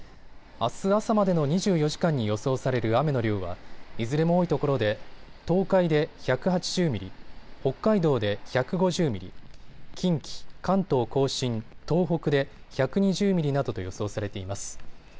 あす朝までの２４時間に予想される雨の量はいずれも多いところで東海で１８０ミリ、北海道で１５０ミリ、近畿、関東甲信、東北で１２０ミリなどと予想されています。